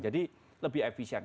jadi lebih efisien